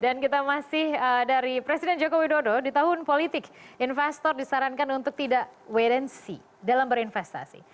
dan kita masih dari presiden jokowi dodo di tahun politik investor disarankan untuk tidak wedensi dalam berinvestasi